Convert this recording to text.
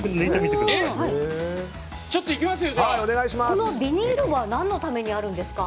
このビニールは何のためにあるんですか。